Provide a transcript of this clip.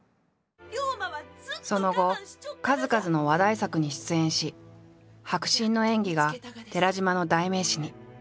その後数々の話題作に出演し迫真の演技が寺島の代名詞に。